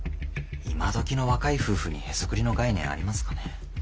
今どきの若い夫婦にへそくりの概念ありますかね？